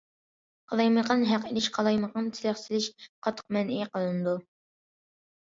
قالايمىقان ھەق ئېلىش، قالايمىقان سېلىق سېلىش قاتتىق مەنئى قىلىنىدۇ.